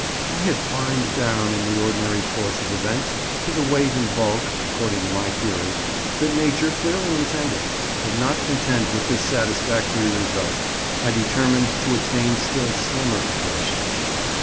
I had fined down in the ordinary course of events to the weight and bulk (according to my theory) that nature clearly intended; but not content with this satisfactory result, I determined to attain still slimmer proportions.